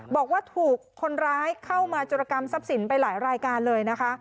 บอกว่าถูกคนร้ายเข้ามาจุรกรรมทรัพย์สินไปหลายรายการเลยนะคะ